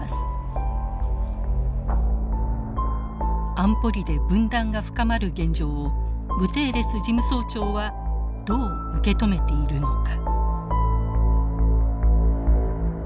安保理で分断が深まる現状をグテーレス事務総長はどう受け止めているのか。